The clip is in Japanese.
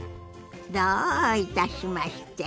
どういたしまして。